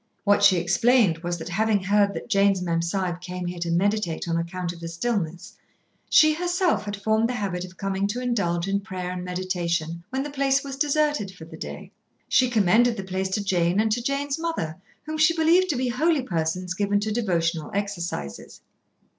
What she explained was that, having heard that Jane's Mem Sahib came here to meditate on account of the stillness, she herself had formed the habit of coming to indulge in prayer and meditation when the place was deserted for the day. She commended the place to Jane, and to Jane's mother, whom she believed to be holy persons given to devotional exercises.